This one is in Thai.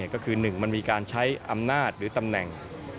ก็คือ๑มันมีการใช้อำนาจหรือตำแหน่ง